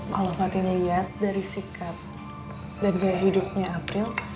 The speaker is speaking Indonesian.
kalau fatih lihat dari sikap dan gaya hidupnya april